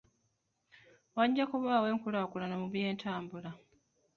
Wajja kubaawo enkulaakulana mu by'entambula.